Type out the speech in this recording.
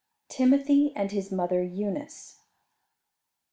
] TIMOTHY AND HIS MOTHER EUNICE.